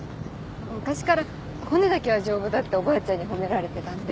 昔から骨だけは丈夫だっておばあちゃんに褒められてたんで。